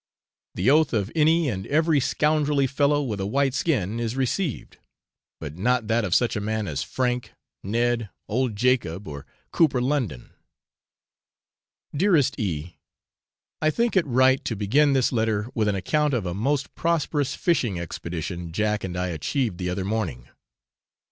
The oath of any and every scoundrelly fellow with a white skin is received, but not that of such a man as Frank, Ned, old Jacob, or Cooper London. Dearest E . I think it right to begin this letter with an account of a most prosperous fishing expedition Jack and I achieved the other morning.